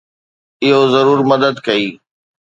اهو ضرور مدد ڪئي.